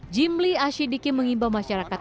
jimli asyidiki mengimbau masyarakat